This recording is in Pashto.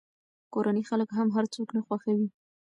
کورني خلک هم هر څوک نه خوښوي.